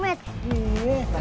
maka dia udah kembali